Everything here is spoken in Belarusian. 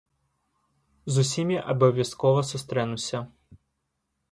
З усімі абавязкова сустрэнуся.